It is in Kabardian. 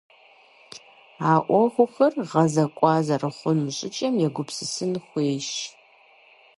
А ӏуэхухэр гъэзэкӀуа зэрыхъуну щӀыкӀэм егупсысын хуейщ.